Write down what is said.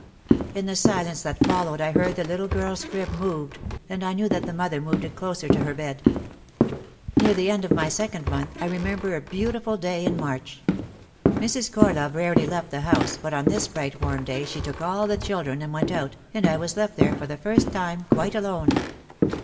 In the silence that followed I heard the little girl's crib moved and I knew that the mother moved it closer to her bed. Near the end of my second month I remember a beau tiful day in March. Mrs. Corlove rarely left the house but on this bright warm day she took all the children and went out and I was left there for the first time quite alone.